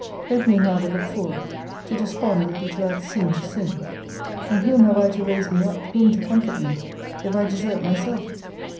Let me, however, look forward: to despond would be to add sin to sin. And whom have I to raise me up, whom to comfort me, if I desert myself?